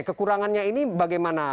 kekurangannya ini bagaimana